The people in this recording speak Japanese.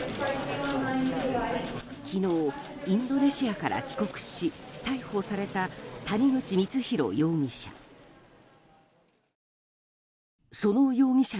昨日インドネシアから帰国し逮捕された、谷口光弘容疑者。